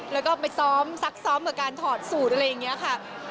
แล้วก็ไปซ้อมซักซ้อมกับการถอดสูตรอะไรอย่างนี้ค่ะ